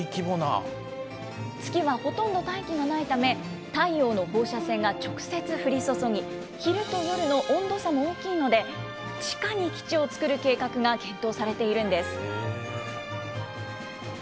月はほとんど大気がないため、太陽の放射線が直接降り注ぎ、昼と夜の温度差も大きいので、地下に基地を作る計画が検討されているんです。